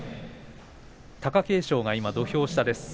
貴景勝が土俵下です。